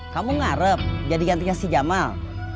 kamu ngarep jadi gantinya si jamal